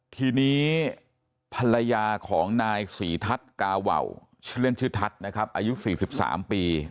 ทีนี้ภรรยาของนายศรีทัศน์กาว่าวชื่อเล่นชื่อทัศน์นะครับอายุ๔๓ปี